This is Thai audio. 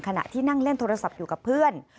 ขณะที่นั่งเล่นโทรศัพท์อยู่กับเพื่อน